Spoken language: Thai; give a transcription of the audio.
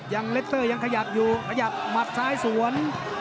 เลสเตอร์ยังขยับอยู่ขยับหมัดซ้ายสวน